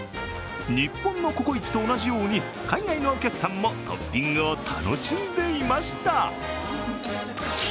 日本のココイチと同じように海外のお客さんもトッピングを楽しんでいました。